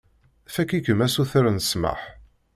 Fakk-ikem asuter n ssmaḥ.